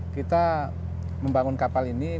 kita membangun kapal ini